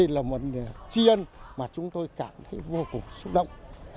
là một chi ân mà chúng tôi cảm thấy vô cùng xúc động